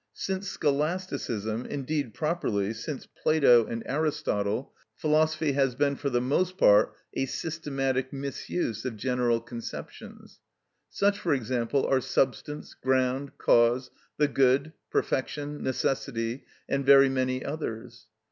Since Scholasticism, indeed properly since Plato and Aristotle, philosophy has been for the most part a systematic misuse of general conceptions. Such, for example, are substance, ground, cause, the good, perfection, necessity, and very many others.